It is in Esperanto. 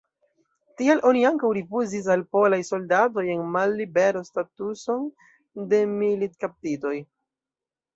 Tial oni ankaŭ rifuzis al polaj soldatoj en mallibero statuson de militkaptitoj.